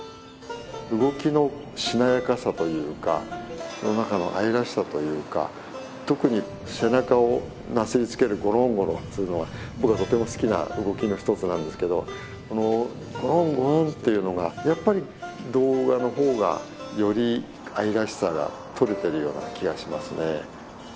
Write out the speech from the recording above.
動きのしなやかさというかその中の愛らしさというか特に背中をなすりつけるゴロンゴロンするのは僕がとても好きな動きの一つなんですけどこのゴロンゴロンっていうのがやっぱり動画の方がより愛らしさが撮れてるような気がしますね。